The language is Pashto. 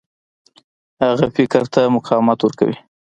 هغه فکر ته مقاومت ورکوي.